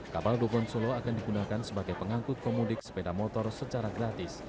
kapal dupon solo akan digunakan sebagai pengangkut pemudik sepeda motor secara gratis